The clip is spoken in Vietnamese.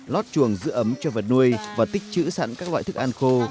lót chuồng giữ ấm cho vật nuôi và tích chữ sẵn các loại thức ăn khô